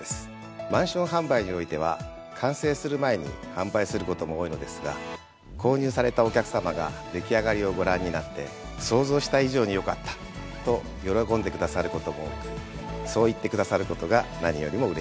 マンション販売においては完成する前に販売することも多いのですが購入されたお客さまが出来上がりをご覧になって想像した以上に良かったと喜んでくださることも多くそう言ってくださることが何よりもうれしいです。